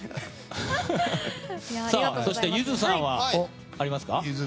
そして、ゆずさんはありますか？